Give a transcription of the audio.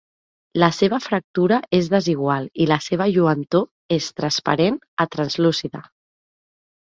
La seva fractura és desigual i la seva lluentor és transparent a translúcida.